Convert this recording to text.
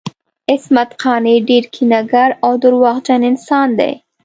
عصمت قانع ډیر کینه ګر او درواغجن انسان دی